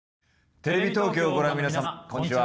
テレビ東京をご覧の皆様こんにちは。